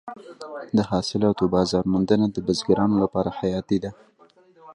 د حاصلاتو بازار موندنه د بزګرانو لپاره حیاتي ده.